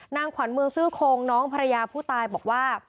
นางขวัญเมืองซื่อโคงน้องภรรยาผู้ตายบอกว่า